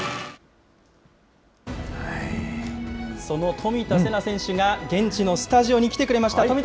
その冨田せな選手が、現地のスタジオに来てくれました。